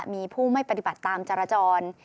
มีผู้ไม่ปฏิบัติตามจรจร